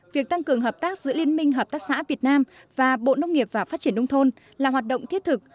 việc tăng cường hợp tác giữa liên minh hợp tác xã việt nam và bộ nông nghiệp và phát triển nông thôn là hoạt động thiết thực